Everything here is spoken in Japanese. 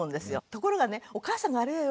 ところがねお母さんがあれよ